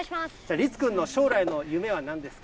律君の将来の夢はなんですか？